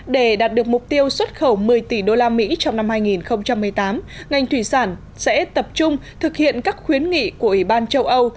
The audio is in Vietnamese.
để đạt được mục tiêu xuất khẩu một mươi tỷ usd trong năm hai nghìn một mươi tám ngành thủy sản sẽ tập trung thực hiện các khuyến nghị của ủy ban châu âu